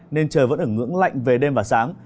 nên trời vẫn ở ngưỡng lạnh về đêm và sáng